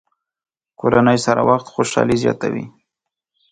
کورنۍ سره وخت خوشحالي زیاتوي.